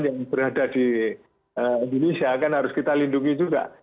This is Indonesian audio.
yang berada di indonesia kan harus kita lindungi juga